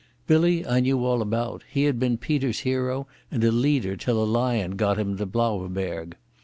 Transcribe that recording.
Billy I knew all about; he had been Peter's hero and leader till a lion got him in the Blaauwberg.